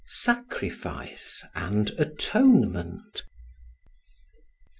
Sacrifice and Atonement.